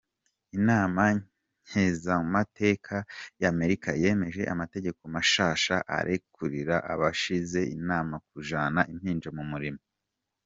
Inama nkenguzamateka ya Amerika yemeje amategeko mashasha arekurira abagize inama kujana impinja mu mirimo.